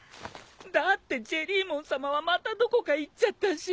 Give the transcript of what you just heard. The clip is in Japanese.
だってジェリーモンさまはまたどこか行っちゃったし。